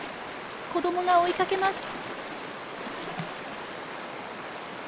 子どもが追いかけます。